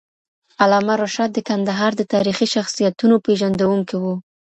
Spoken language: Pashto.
علامه رشاد د کندهار د تاریخي شخصیتونو پېژندونکی وو.